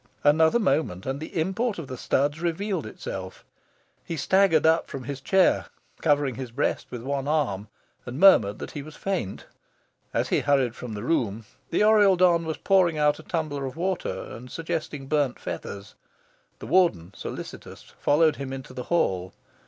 Another moment, and the import of the studs revealed itself. He staggered up from his chair, covering his breast with one arm, and murmured that he was faint. As he hurried from the room, the Oriel don was pouring out a tumbler of water and suggesting burnt feathers. The Warden, solicitous, followed him into the hall.